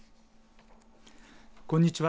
こんにちは。